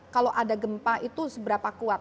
kalau ada gempa itu seberapa kuat